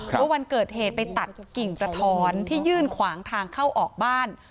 ว่าวันเกิดเหตุไปตัดกิ่งกระท้อนที่ยื่นขวางทางเข้าออกบ้าน